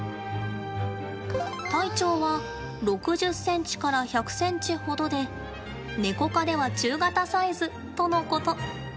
体長は６０ｃｍから１００ｃｍほどでネコ科では中型サイズとのこと。